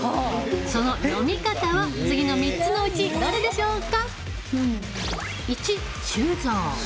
その読み方は次の３つのうちどれでしょうか？